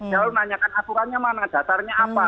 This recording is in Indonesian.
lalu nanyakan aturannya mana dasarnya apa